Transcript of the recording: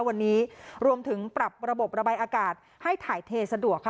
วันนี้รวมถึงปรับระบบระบายอากาศให้ถ่ายเทสะดวกค่ะ